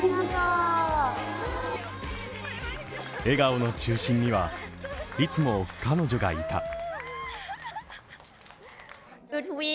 笑顔の中心には、いつも彼女がいた。